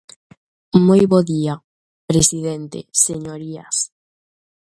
Moi bo día, presidente, señorías.